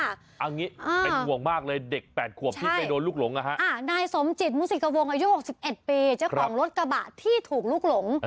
อันนี้เป็นห่วงมากเลยเด็ก๘ขวบที่ไปโดนลูกหลงนายสมจิตมุสิกวงอายุ๖๑ปีเจ้าของรถกระบะที่ถูกลุกหลง